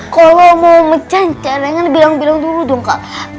kalau mau mecancer jangan bilang bilang dulu dong kal